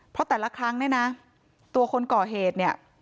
เพราะแต่ละครั้งเนี่ยนะตัวคนก่อเหตุเนี่ย